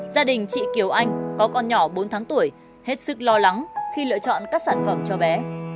gia đình chị kiều anh có con nhỏ bốn tháng tuổi hết sức lo lắng khi lựa chọn các sản phẩm cho bé